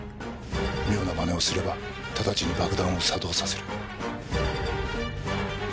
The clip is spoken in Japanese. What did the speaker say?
「妙な真似をすればただちに爆弾を作動させる」